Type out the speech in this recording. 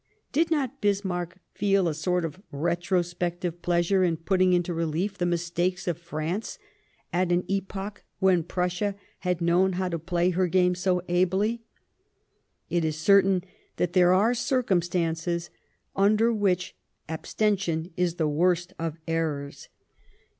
Did not Bis marck feel a sort of retrospective pleasure in putting into relief the mistakes of France at an epoch when Prussia had known how to play her game so ably ? It is certain that there are circumstances under which abstention is the worst of errors.